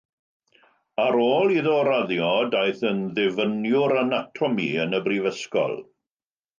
Ar ôl iddo raddio, daeth yn ddifyniwr anatomi yn y brifysgol.